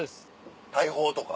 大砲とか。